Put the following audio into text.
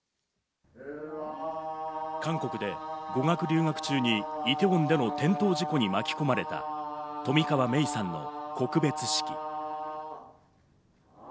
韓国で語学留学中にイテウォンでの転倒事故に巻き込まれた冨川芽生さんの告別式。